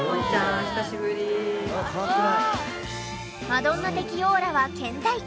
マドンナ的オーラは健在！